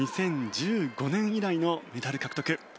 ２０１５年以来のメダル獲得。